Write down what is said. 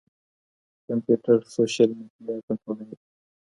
کمپيوټر سوشل ميډيا کنټرولوي.